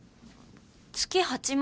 月８万